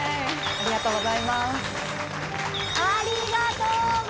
ありがとうございます。